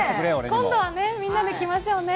今度はみんなで来ましょうね。